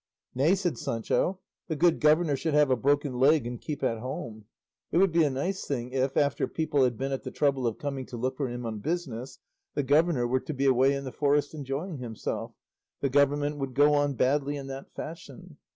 "Nay," said Sancho, "the good governor should have a broken leg and keep at home;" it would be a nice thing if, after people had been at the trouble of coming to look for him on business, the governor were to be away in the forest enjoying himself; the government would go on badly in that fashion.